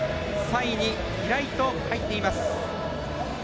３位に平井と入っています。